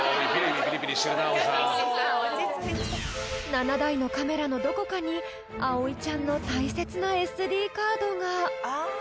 ［７台のカメラのどこかにアオイちゃんの大切なＳＤカードが］